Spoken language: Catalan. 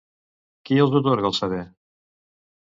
Qui els atorga el saber?